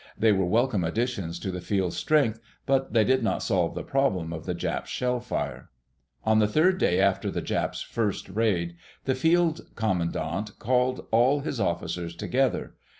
They were welcome additions to the field's strength, but they did not solve the problem of the Japs' shellfire. On the third day after the Japs' first raid, the field's commandant called all his officers together.